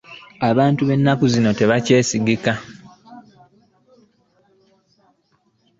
Abantu benaku zino tebakye sigika.